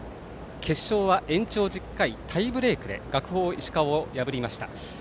甲子園は延長１０回タイブレーク学法石川を破りました。